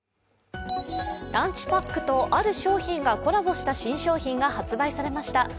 ランチパックとある商品がコラボした新商品が発売されました。